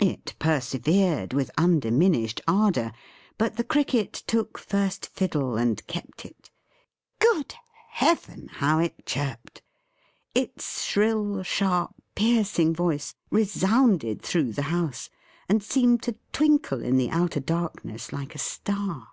It persevered with undiminished ardour; but the Cricket took first fiddle and kept it. Good Heaven, how it chirped! Its shrill, sharp, piercing voice resounded through the house, and seemed to twinkle in the outer darkness like a Star.